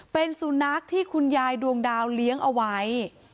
เป็นสุนัขที่คุณยายดวงดาวเลี้ยงเอาไว้